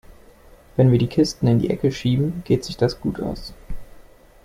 Wenn wir die Kisten in die Ecke schieben, geht sich das gut aus.